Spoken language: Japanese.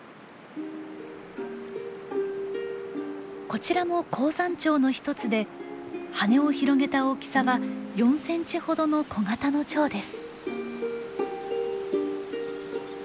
こちらも高山蝶の一つで羽を広げた大きさは４センチほどの小型のチョウです。